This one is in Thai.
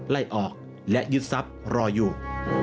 ไล่ออกและยึดทรัพย์รออยู่